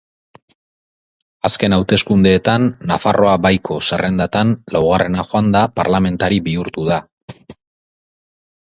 Azken hauteskundeetan, Nafarroa Baiko zerrendatan laugarrena joanda, parlamentari bihurtu da.